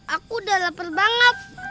aku udah lapar banget